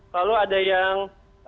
lalu ada yang